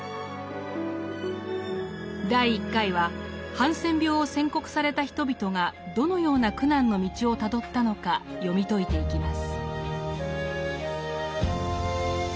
第１回はハンセン病を宣告された人々がどのような苦難の道をたどったのか読み解いていきます。